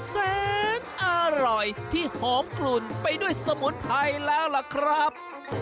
แสนอร่อยที่หอมกลุ่นไปด้วยสมุนไพรแล้วล่ะครับ